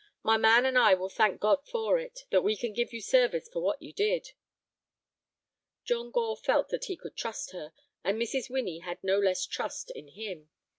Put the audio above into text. My man and I will thank God for it, that we can give you service for what you did." John Gore felt that he could trust her, and Mrs. Winnie had no less trust in him.